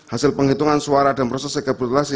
hasil penghitungan suara dan proses rekapitulasi